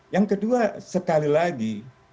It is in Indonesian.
yang kedua sekali lagi